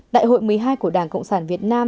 đại hội một mươi hai của đảng cộng sản việt nam